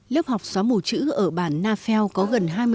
lớp học xóa mù chữ ở bản nafel có gần hai mươi năm